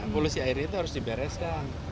polusi airnya itu harus dibereskan